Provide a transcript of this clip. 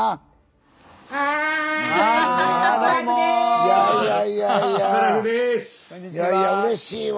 いやいやうれしいわ。